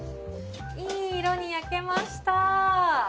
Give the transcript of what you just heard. いい色に焼けました。